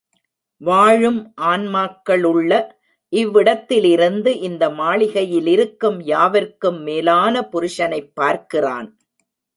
வாழும் ஆன்மாக்களுள்ள இவ்விடத்திலிருந்து இந்த மாளிகையிலிருக்கும் யாவர்க்கும் மேலான புருஷனைப் பார்க்கிறான்.